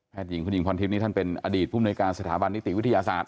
แพทย์หญิงคุณหญิงพอร์นทริปนี้ท่านเป็นอดีตภูมิในการสถาบันนิติวิทยาศาสตร์